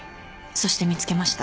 そして見つけました。